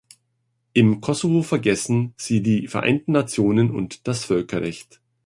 Im Kosovo vergessen Sie die Vereinten Nationen und das Völkerrecht!